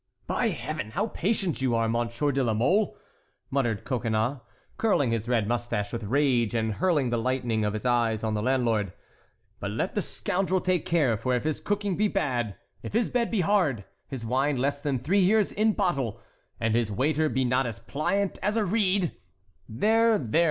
"By Heaven! how patient you are, Monsieur de la Mole!" muttered Coconnas, curling his red mustache with rage and hurling the lightning of his eyes on the landlord. "But let the scoundrel take care; for if his cooking be bad, if his bed be hard, his wine less than three years in bottle, and his waiter be not as pliant as a reed"— "There! there!